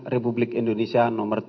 republik indonesia tiga puluh lima